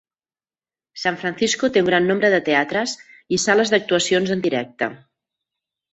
San Francisco té un gran nombre de teatres i sales d'actuacions en directe.